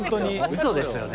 うそですよね。